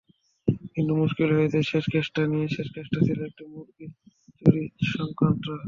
কিন্তু মুশকিল হয়েছে শেষ কেসটা নিয়ে, শেষ কেসটা ছিল একটা মুরগি চুরিসংক্রান্ত।